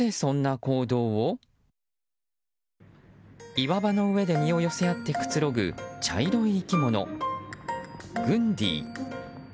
岩場の上で身を寄せ合ってくつろぐ茶色い生き物、グンディ。